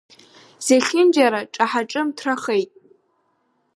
Зехьынџьара ҿаҳа-ҿымҭрахеит.